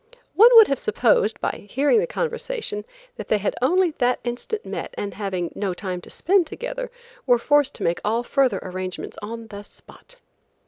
One would have supposed, by hearing the conversation that they had only that instant met and having no time to spend together, were forced to make all further arrangements on the spot.